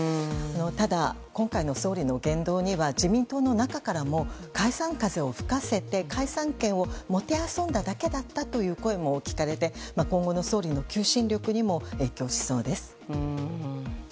ただ、今回の総理の言動には自民党の中からも解散風を吹かせて解散権をもてあそんだだけだったという声も聞かれて今後の総理の求心力にも影響しそうです。